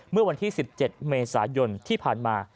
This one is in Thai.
เมื่อวันที่๑๗เมษายนที่ผ่านมา